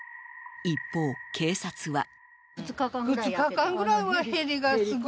一方、警察は。